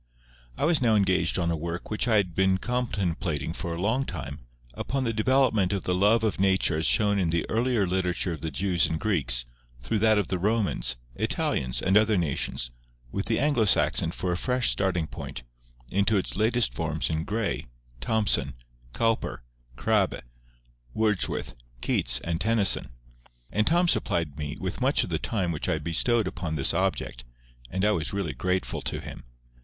I was now engaged on a work which I had been contemplating for a long time, upon the development of the love of Nature as shown in the earlier literature of the Jews and Greeks, through that of the Romans, Italians, and other nations, with the Anglo Saxon for a fresh starting point, into its latest forms in Gray, Thomson, Cowper, Crabbe, Wordsworth, Keats, and Tennyson; and Tom supplied me with much of the time which I bestowed upon this object, and I was really grateful to him.